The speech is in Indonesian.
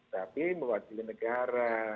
tapi mewakili negara